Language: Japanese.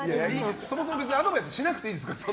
そもそも別にアドバイスしなくていいですから。